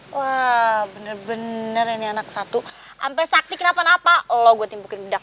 wah bener bener ini anak satu sampai sakti kenapa napa lo gue timbukin bedak